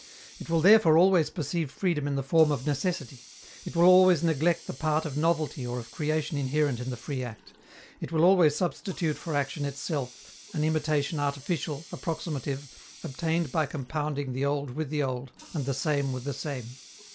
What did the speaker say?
It will therefore always perceive freedom in the form of necessity; it will always neglect the part of novelty or of creation inherent in the free act; it will always substitute for action itself an imitation artificial, approximative, obtained by compounding the old with the old and the same with the same.